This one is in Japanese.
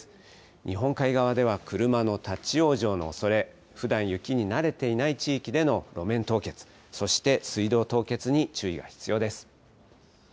日本海側では車の立往生のおそれ、ふだん雪に慣れていない地域での路面凍結、そして水道凍結に注意が必要です。